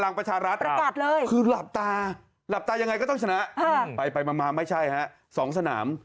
พลังประชารัฐคือหลับตาอย่างไรก็ต้องชนะไปมาไม่ใช่สองสนาม